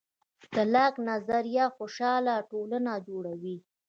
د لاک نظریه خوشحاله ټولنه جوړوي.